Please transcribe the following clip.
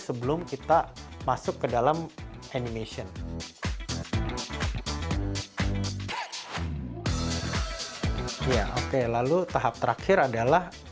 sebelum kita masuk ke dalam animation ya oke lalu tahap terakhir adalah